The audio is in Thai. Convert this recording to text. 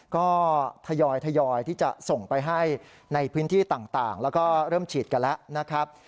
ก็ทยอยที่จะส่งไปให้ในพื้นที่ต่างแล้วก็เริ่มฉีดกันแล้วนะครับ